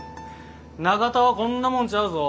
長田はこんなもんちゃうぞ。